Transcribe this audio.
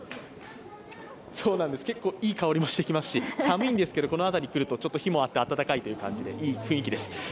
結構いい香りもしてきますし、寒いんですけれども、この辺り、来ると、火もあって、暖かいという、いい雰囲気です。